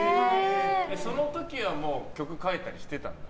その時はもう曲書いたりしてたの？